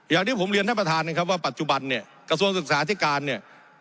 อย่างที่ผมเรียนท่านประธานนะครับว่าปัจจุบันเนี่ยกระทรวงศึกษาที่การเนี่ย